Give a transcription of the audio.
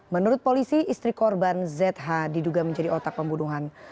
menurut polisi istri korban zh diduga menjadi otak pembunuhan